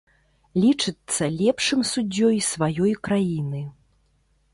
Лічыцца лепшым суддзёй сваёй краіны.